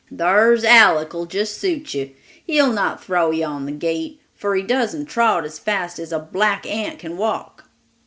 Thar's Aleck'll just suit you. He'll not throw you on the gate, for he doesn't trot as fast as a black ant can walk!"